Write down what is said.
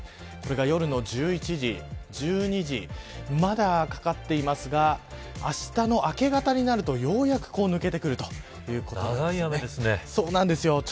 これは夜の１１時、１２時まだかかっていますがあしたの明け方になるとようやく抜けてくると長い雨ですね。